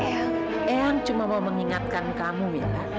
ayang cuma mau mengingatkan kamu mila